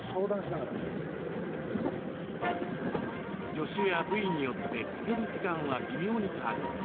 魚種や部位によってつける時間は微妙に変わります。